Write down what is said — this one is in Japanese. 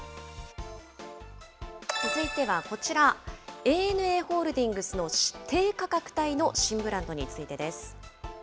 続いてはこちら、ＡＮＡホールディングスの低価格帯の新ブランドについてです。